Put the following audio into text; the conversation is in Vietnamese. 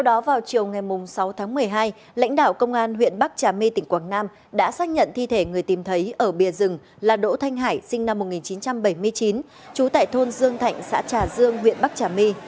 đội tượng đỗ thanh hải sinh năm một nghìn chín trăm bảy mươi chín chú tại thôn dương thạnh xã trà dương huyện bắc trà my